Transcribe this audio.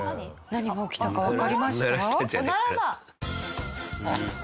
何が起きたかわかりました？